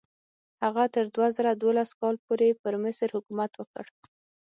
هغه تر دوه زره دولس کال پورې پر مصر حکومت وکړ.